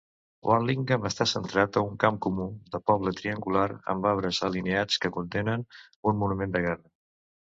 Warlingham està centrat a un camp comú de poble triangular, amb arbres alineats que contenen un monument de guerra.